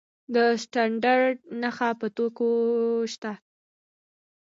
د سټنډرډ نښه په توکو شته؟